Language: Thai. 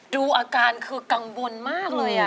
ดูอาการคือกังวลมากเลย